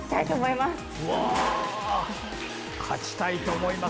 勝ちたいと思います。